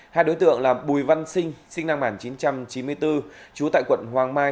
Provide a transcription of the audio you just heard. hai đối tượng là bùi văn sinh sinh năm một nghìn chín trăm chín mươi bốn trú tại quận hoàng mai